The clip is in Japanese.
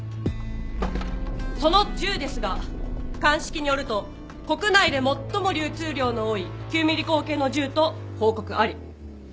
その銃ですが鑑識によると国内で最も流通量の多い９ｍｍ口径の銃と報告あり。